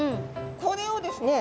これをですね